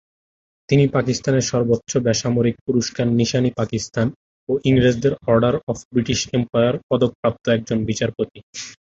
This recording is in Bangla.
তিনি পাকিস্তানের সর্বোচ্চ বেসামরিক পুরস্কার নিশান-ই-পাকিস্তান ও ইংরেজদের Order of the British Empire পদকপ্রাপ্ত একজন বিচারপতি।